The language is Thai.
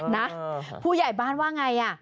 นะผู้ใหญ่บ้านว่าไงอ่ะ